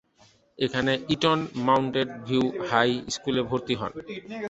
এখানে Eton Mountain View High স্কুলে ভর্তি হন।